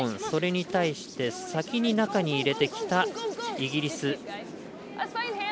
それに対して先に中に入れてきたイギリス。